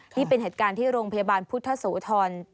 นี่เป็นเหตุการณ์ที่โรงพยาบาลพุทธโสธร